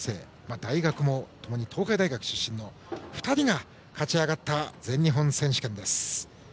大学も、ともに東海大学出身の２人が勝ち上がった全日本選手権です。